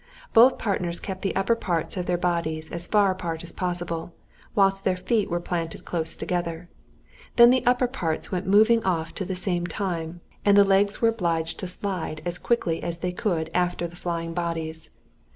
Both partners kept the upper parts of their bodies as far apart as possible, whilst their feet were planted close together. Then the upper parts went moving off to the same time, and the legs were obliged to slide as quickly as they could after the flying bodies.